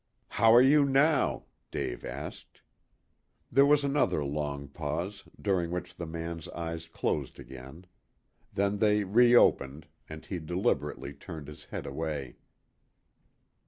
"How are you now?" Dave asked. There was another long pause, during which the man's eyes closed again. Then they reopened, and he deliberately turned his head away.